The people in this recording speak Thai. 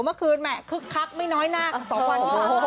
เมื่อคืนแหม่คึกคักไม่น้อยน่าสองวัน